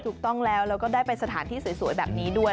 ถูกต้องแล้วแล้วก็ได้ไปสถานที่สวยแบบนี้ด้วย